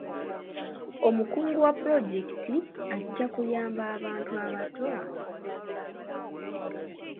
Omukungu wa pulojekiti ajja kuyamba abantu abato okubeera abalamu.